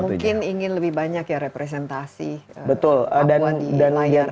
mungkin ingin lebih banyak ya representasi perempuan di layar